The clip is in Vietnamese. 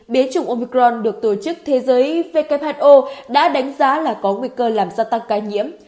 biến chủng omicron được tổ chức thế giới who đã đánh giá là có nguy cơ làm gia tăng ca nhiễm